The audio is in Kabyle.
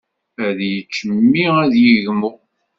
Ad yečč mmi ad yegmu.